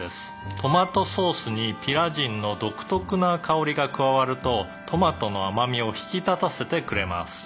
「トマトソースにピラジンの独特な香りが加わるとトマトの甘みを引き立たせてくれます」